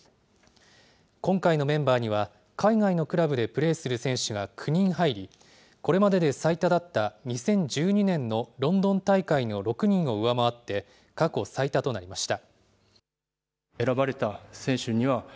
今回のメンバーには、海外のクラブでプレーする選手が９人入り、これまでで最多だった２０１２年のロンドン大会の６人を上回って、過去最多となりました。